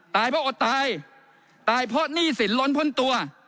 เพราะอดตายตายเพราะหนี้สินล้นพ่นตัว